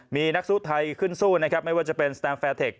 มีนักสู้ไทยขึ้นสู้นะครับไม่ว่าจะเป็นสแตมแฟร์เทค